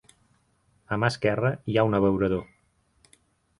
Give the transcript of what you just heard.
A mà esquerra hi ha un abeurador.